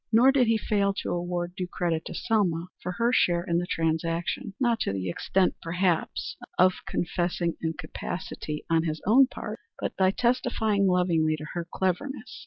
Nor did he fail to award due credit to Selma for her share in the transaction; not to the extent, perhaps, of confessing incapacity on his own part, but by testifying lovingly to her cleverness.